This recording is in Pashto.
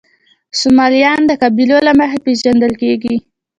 سومالیان د قبیلې له مخې پېژندل کېږي.